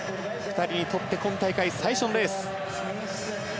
２人にとって今大会、最初のレース。